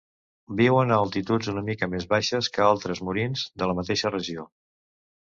Viuen a altituds una mica més baixes que altres murins de la mateixa regió.